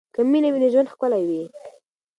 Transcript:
که مینه وي نو ژوند ښکلی وي.